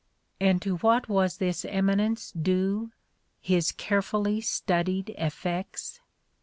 And to what was this emi nence due? — "his carefully studied effects."